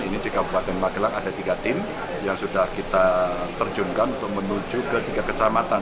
ini di kabupaten magelang ada tiga tim yang sudah kita terjunkan untuk menuju ke tiga kecamatan